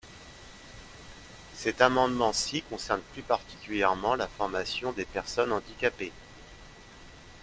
Cet amendement-ci concerne plus particulièrement la formation des personnes handicapées.